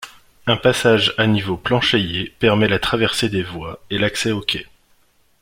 Un passage à niveau planchéié, permet la traversée des voies et l'accès aux quais.